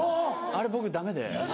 あれ僕ダメで。